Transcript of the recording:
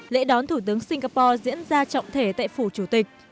lễ đón thủ tướng singapore diễn ra trọng thể tại phủ chủ tịch